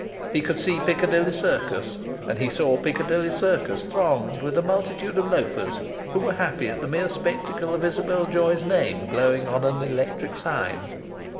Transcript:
He could see Piccadilly Circus, and he saw Piccadilly Circus thronged with a multitude of loafers who were happy in the mere spectacle of Isabel Joy's name glowing on an electric sign.